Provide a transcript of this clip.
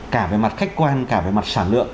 cả về mặt khách quan cả về mặt sản lượng